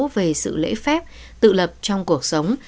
về sự lễ phép tự lập trong cuộc sống